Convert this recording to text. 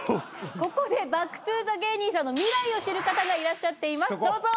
ここでバック・トゥ・ザ芸人さんの未来を知る方がいらっしゃっていますどうぞ。